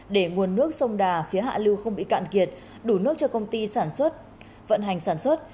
để nguồn nước sông đà phía hạ lưu không bị cạn kiệt đủ nước cho công ty sản xuất vận hành sản xuất